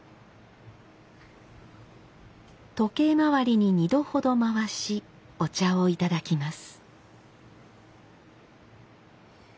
時計回りに２度ほど回しお茶を頂きます。